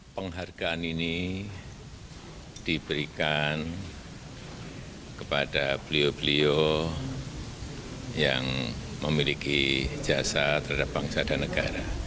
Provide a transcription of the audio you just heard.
penghargaan ini diberikan kepada beliau beliau yang memiliki jasa terhadap bangsa dan negara